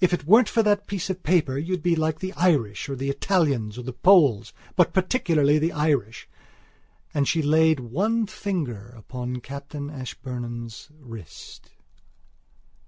If it weren't for that piece of paper you'd be like the Irish or the Italians or the Poles, but particularly the Irish...." And she laid one finger upon Captain Ashburnham's wrist.